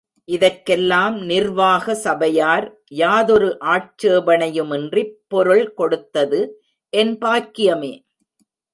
இதற்கெல்லாம் நிர்வாக சபையார் யாதொரு ஆட்சேபணையுமின்றிப் பொருள் கொடுத்தது என் பாக்கியமே.